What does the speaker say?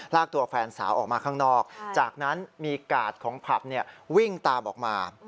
ลากตัวแฟนสาวออกมาข้างนอกจากนั้นมีกาดของผับวิ่งตามออกมา